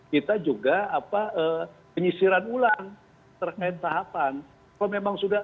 kita juga penyisiran ulang terkait tahapan